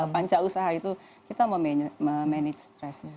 panca usaha itu kita memanage stres